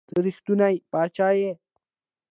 ته رښتونے باچا ئې